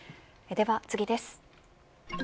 では次です。